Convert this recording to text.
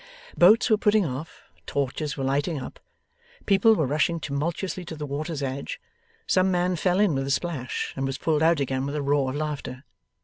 Boats were putting off, torches were lighting up, people were rushing tumultuously to the water's edge. Some man fell in with a splash, and was pulled out again with a roar of laughter.